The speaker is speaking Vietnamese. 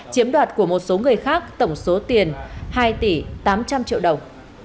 chiếm đoạt của một số người khác tổng số tiền hai tỷ tám trăm linh triệu đồng